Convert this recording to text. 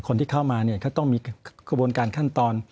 คนที่เข้ามาเนี่ยก็ต้องมีกระบวนการขั้นตอน